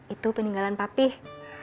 itu peninggalan papih